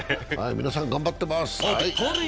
皆さん頑張っています。